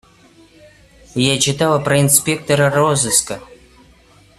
Я читала про инспектора розыска.